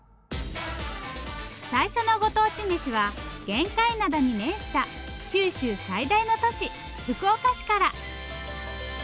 最初のご当地メシは玄界灘に面した九州最大の都市福岡市から。